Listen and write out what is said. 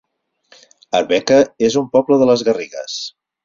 Arbeca es un poble de les Garrigues